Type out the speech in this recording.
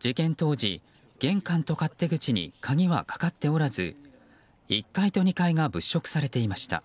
事件当時、玄関と勝手口に鍵はかかっておらず１階と２階が物色されていました。